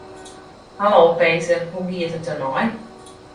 Hallo Peter, hoe giet it der mei?